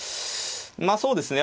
まあそうですね。